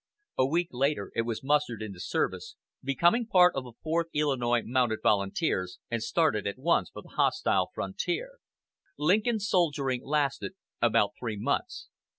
A week later it was mustered into service, becoming part of the Fourth Illinois Mounted Volunteers, and started at once for the hostile frontier. Lincoln's soldiering lasted about three months.